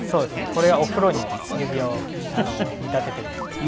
これはお風呂に指輪を見立てているんですけど。